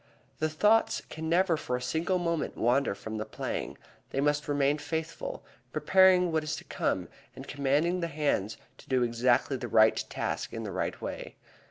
The thoughts can never for a single moment wander from the playing; they must remain faithful, preparing what is to come and commanding the hands to do exactly the right task in the right way.